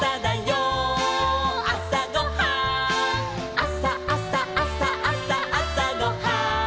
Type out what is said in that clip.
「あさあさあさあさあさごはん」